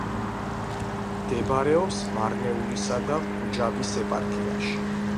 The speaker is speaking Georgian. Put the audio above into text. მდებარეობს მარნეულისა და ჰუჯაბის ეპარქიაში.